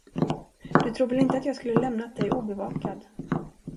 Du tror väl inte att jag skulle lämnat dig obevakad?